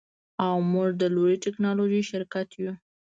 او موږ د لوړې ټیکنالوژۍ شرکت یو